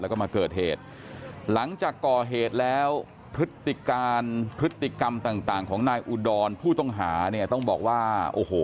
แล้วก็มาเกิดเหตุหลังจากก่อเหตุแล้วพฤติการพฤติกรรมต่างต่างของนายอุดรผู้ต้องหาเนี่ยต้องบอกว่าโอ้โห